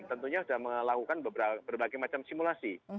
tentunya sudah melakukan berbagai macam simulasi